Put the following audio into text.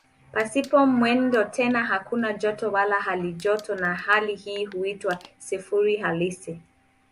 Pasipo mwendo tena hakuna joto wala halijoto na hali hii huitwa "sifuri halisi".